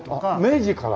明治から？